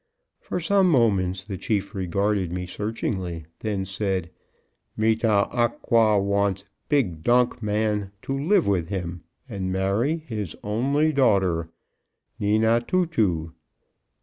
For some moments the chief regarded me searchingly, then said, "Me tah ah qua wants big donk man to live with him and marry his only daughter Ne nah too too.